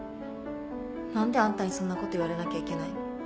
何であんたにそんなこと言われなきゃいけないの？